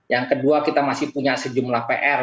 yang kedua kita masih punya sejumlah pr